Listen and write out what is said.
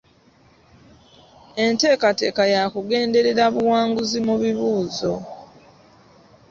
Enteekateeka yakugenderera buwanguzi mu bibuuzo.